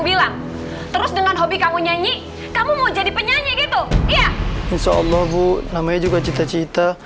bilang terus dengan hobi kamu nyanyi kamu mau jadi penyanyi gitu iya insya allah bu namanya juga cita cita